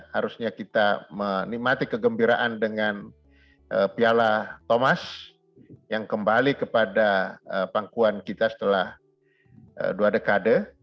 harusnya kita menikmati kegembiraan dengan piala thomas yang kembali kepada pangkuan kita setelah dua dekade